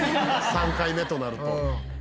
３回目となると」